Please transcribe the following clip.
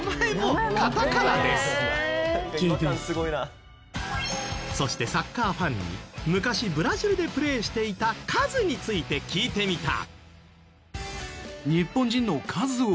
「違和感すごいな」そしてサッカーファンに昔ブラジルでプレーしていたカズについて聞いてみた。